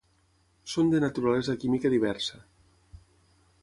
Són de naturalesa química diversa.